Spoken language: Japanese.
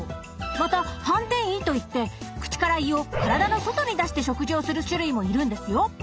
また「反転胃」といって口から胃を体の外に出して食事をする種類もいるんですよ。